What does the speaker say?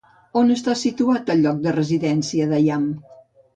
On està situat el lloc de residència de Yam?